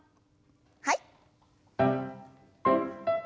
はい。